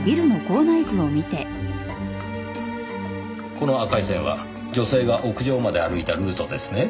この赤い線は女性が屋上まで歩いたルートですね？